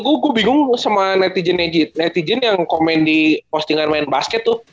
gue gue bingung sama netizen yang komen di postingan main basket tuh